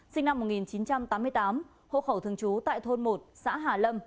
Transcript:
sinh năm một nghìn chín trăm tám mươi tám hộ khẩu thường trú tại thôn một xã hà lâm